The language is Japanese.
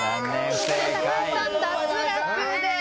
ここで高橋さん脱落です。